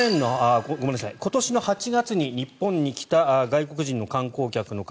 今年の８月に日本に来た外国人の観光客の方